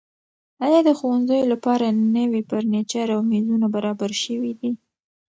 ایا د ښوونځیو لپاره نوي فرنیچر او میزونه برابر شوي دي؟